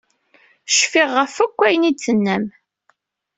Cfiɣ ɣef akk ayen i d-tennam.